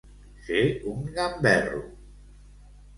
Ser un gamberro.